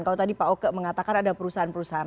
kalau tadi pak oke mengatakan ada perusahaan perusahaan